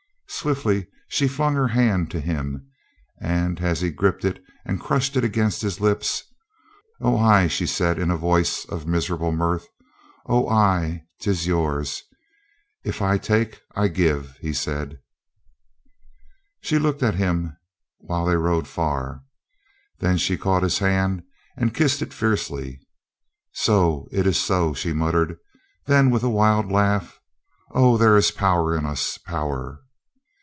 Swiftly she flung her hand to him, and as he gripped it and crushed it against his lips : "Oh, ay," she said in a voice of miserable mirth. "Oh, ay, 'tis yours." "If I take I give," he said. 98 COLONEL GREATHEART She looked at him while they rode far. Then she caught his hand and kissed it fiercely. "So. It is so," she muttered. Then with a wild Laugh: "Oh, there is power in us — power!"